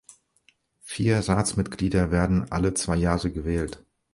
Vier Ratsmitglieder werden alle zwei Jahre gewählt.